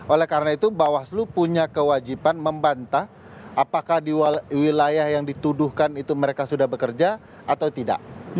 oleh karena itu bawaslu punya kewajiban membantah apakah di wilayah yang dituduhkan itu mereka sudah bekerja atau tidak